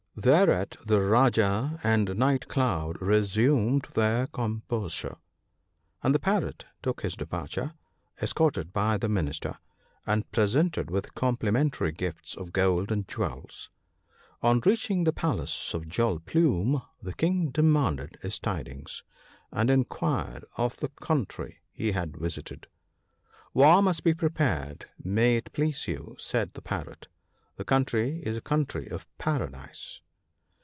Thereat the Rajah and Night cloud resumed their com posure ; and the Parrot took his departure, escorted by the Minister, and presented with complimentary gifts of gold and jewels. On reaching the palace of Jewel plume, the King demanded his tidings, and inquired of the country he had visited. " War must be prepared, may it please you," said the Parrot :" the country is a country of Paradise."